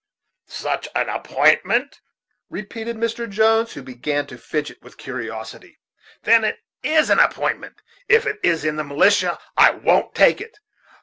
"Such an appointment!" repeated Mr. Jones, who began to fidget with curiosity; "then it is an appointment. If it is in the militia, I won't take it.